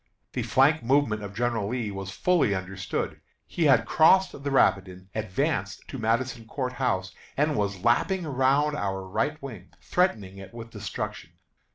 The flank movement of General Lee was fully understood. He had crossed the Rapidan, advanced to Madison Court House, and was lapping around our right wing, threatening it with destruction.